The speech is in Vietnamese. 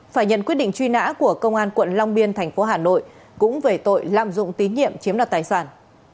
phải nhận quyết định truy nã của công an quận long biên thành phố hà nội cũng về tội lạm dụng tín nhiệm chiếm đoạt tài sản